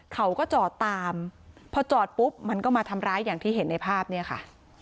เขาก็จอดตามพอจอดปุ๊บมันก็มาทำร้ายอย่างที่เห็นในภาพเนี่ยค่ะ